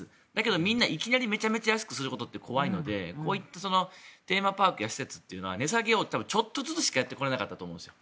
でも、みんないきなり安くすることは怖いので、こういったテーマパークや施設というのは値下げをちょっとずつしかやってこれなかったと思うんですよ。